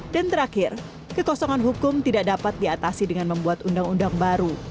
dan terakhir kekosongan hukum tidak dapat diatasi dengan membuat undang undang baru